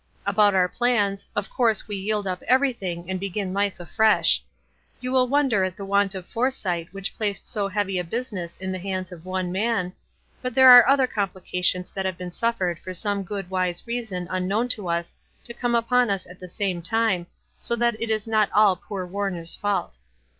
About our plans, of course we yield up everything, and begin life afresh. You will wonder at the want of foresight which placed so heavy a busi ness in the hands of one man, but there are other complications that have been suffered for some good wise reason unknown to us to come upon us at the same time, so that it is not all poor Warner's fault.